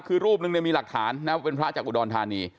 คือรูปนึงเนี่ยมีหลักฐานนะว่าเป็นพระจากอุดรธานี